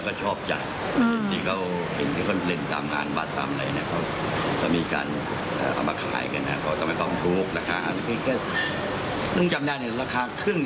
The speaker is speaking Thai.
ก็เลยทำขึ้นมาเอง